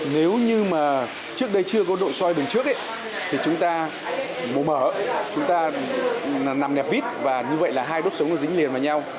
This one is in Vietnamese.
nếu như mà trước đây chưa có độ soi đường trước thì chúng ta bố mở chúng ta nằm nẹp vít và như vậy là hai đốt sống nó dính liền vào nhau